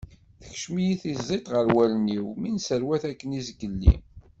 Tekcem-iyi tiẓẓit ɣer wallen-iw mi nesserwat akken izgelli.